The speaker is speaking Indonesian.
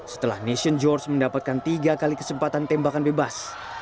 setelah nation george mendapatkan tiga kali kesempatan tembakan bebas